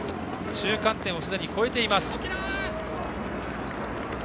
中間点をすでに越えています。